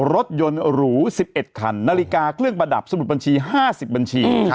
รถยนต์หรู๑๑คันนาฬิกาเครื่องประดับสมุดบัญชี๕๐บัญชี